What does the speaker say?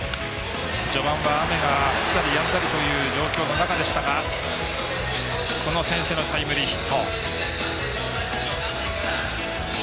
序盤は雨が降ったりやんだりという状況の中でしたがこの先制のタイムリーヒット。